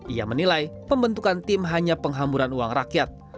ia menilai pembentukan tim hanya penghamburan uang rakyat